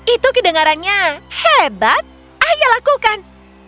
itu kedengarannya hebat ayo lakukan